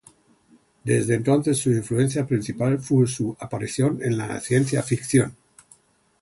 Desde entonces, su influencia principal fue su aparición en la ciencia ficción.